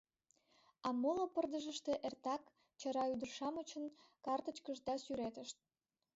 А моло пырдыжыште эртак чара ӱдыр-шамычын картычкышт да сӱретышт.